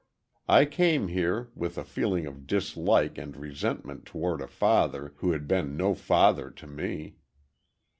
"I came here, with a feeling of dislike and resentment toward a father who had been no father to me.